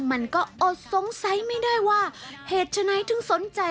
มันก็อดสงสัยไม่ได้ว่าเหตุฉะนั้นถึงสนใจ